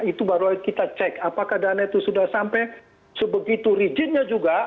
itu baru kita cek apakah dana itu sudah sampai sebegitu rigidnya juga